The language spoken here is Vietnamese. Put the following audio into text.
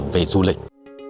về du lịch